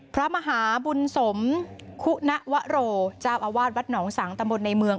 พระมหาบุญสมคุณวโรเจ้าอาวาสวัดหนองสังตำบลในเมือง